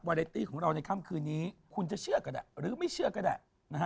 เรตตี้ของเราในค่ำคืนนี้คุณจะเชื่อก็ได้หรือไม่เชื่อก็ได้นะฮะ